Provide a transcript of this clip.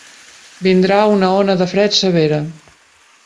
Vindrà una ona de fred severa.